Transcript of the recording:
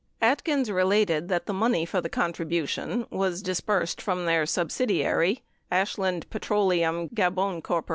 Atkins related that the money for the contribution was disbursed from their subsidiary, Ashland Petroleum Gabon Corp.